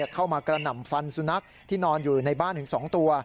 กระหน่ำฟันสุนัขที่นอนอยู่ในบ้านถึง๒ตัว